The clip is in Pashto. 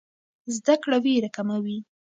زده کړه ویره کموي.